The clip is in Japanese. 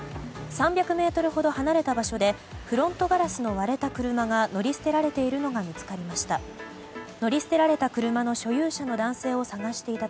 ３００ｍほど離れた場所でフロントガラスの割れた車が乗り捨てられているのが見つかりました。